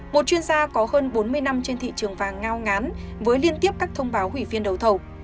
một chuyên gia có hơn bốn mươi năm trên thị trường vàng ngao ngán với liên tiếp các thông báo hủy phiên đấu thầu